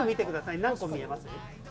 何本見えます？